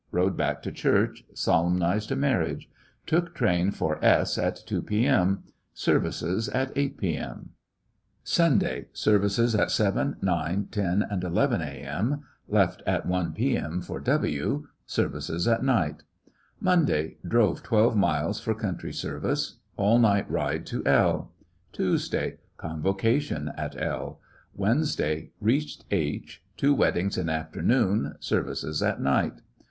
Rode back to church, solemnized a marriage. Took train for S at 2 p.m. Services at 8 p.m. Sunday. Services at 7, 9, 10, and 11 a.m. Left at 1 P.M. for W . Services at night. Monday. Drove twelve miles for country service. All night ride to L . Tuesday. Convocation at L "Wednesday. Beached H . Two wed dings in afternoon, services at night.